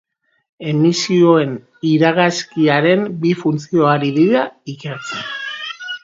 Emisioen iragazkiaren bi funtzio ari dira ikertzen.